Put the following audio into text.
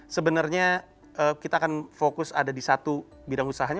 sebenarnya kita akan fokus ada di satu bidang usahanya